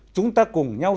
chúng ta cùng nhau